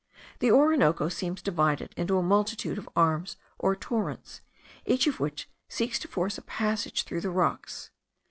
The Orinoco seems divided into a multitude of arms or torrents, each of which seeks to force a passage through the rocks.